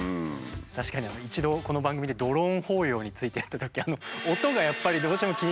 確かに一度この番組でドローン法要についてやったとき音がやっぱりどうしても気になるっていう話も。